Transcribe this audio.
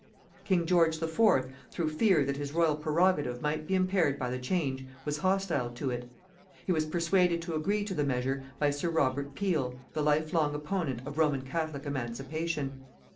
King George IV, through fear that his Royal prerogative might be impaired by the change, was hostile to it. He was persuaded to agree to the measure by Sir Robert Peel, the life long opponent of Roman Catholic emancipation.